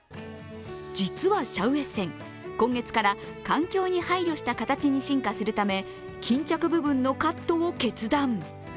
実はシャウエッセン今月から環境に配慮した形に進化するため巾着部分のカットを決断。